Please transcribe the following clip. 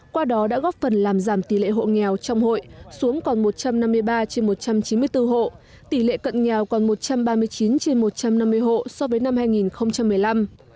qua đó đã góp phần làm giảm tỷ lệ hộ nghèo trong hội xuống còn một trăm năm mươi ba trên một trăm chín mươi bốn hộ tỷ lệ cận nghèo còn một trăm ba mươi chín trên một trăm năm mươi hộ so với năm hai nghìn một mươi năm